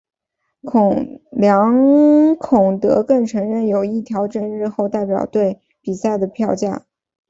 梁孔德更承认有意调整日后代表队比赛的票价。